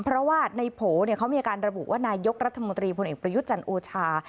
เพราะว่าในโผล่เขามีการระบุว่านายกรัฐมนตรีพลเอกประยุทธ์จันทร์โอชา